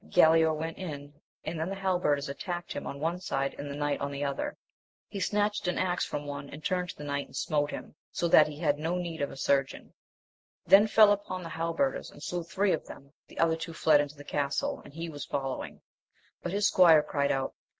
Galaor went in, and then the halberders attacked him on one side and the knight on the other. He snatched an axe from one and turned to the knight and smote him, so that he had no need of a surgeon ; then fell upon the hal berders, and slew three of them, the other two fled into the castle, and he was following ; but his squire cried out.